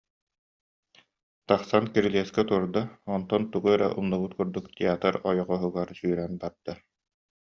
Тахсан кирилиэскэ турда, онтон, тугу эрэ умнубут курдук, театр ойоҕоһугар сүүрэн барда